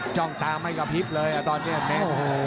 จ้องตามให้กับฮิฟเลยตอนนี้แน่น